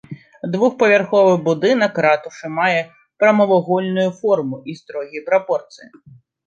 Двухпавярховы будынак ратушы мае прамавугольную форму і строгія прапорцыі.